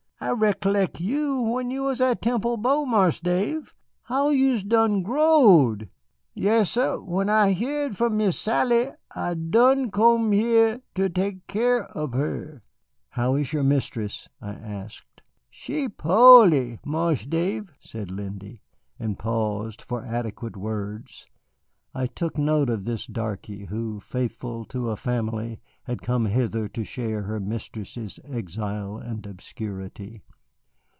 I rec'lect you when you was at Temple Bow. Marse Dave, how you'se done growed! Yassir, when I heerd from Miss Sally I done comed here to tek cyar ob her." "How is your mistress?" I asked. "She po'ly, Marse Dave," said Lindy, and paused for adequate words. I took note of this darky who, faithful to a family, had come hither to share her mistress's exile and obscurity.